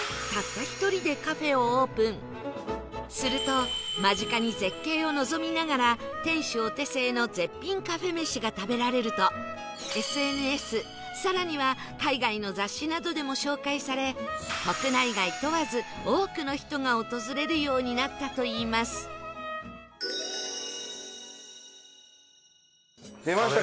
すると間近に絶景を望みながら店主お手製の絶品カフェ飯が食べられると ＳＮＳ 更には海外の雑誌などでも紹介され国内外問わず多くの人が訪れるようになったといいます出ました！